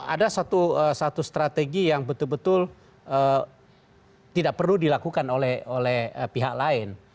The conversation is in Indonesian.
ada satu strategi yang betul betul tidak perlu dilakukan oleh pihak lain